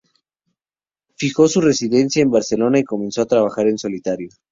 Fijó su residencia en Barcelona y comenzó a trabajar en solitario.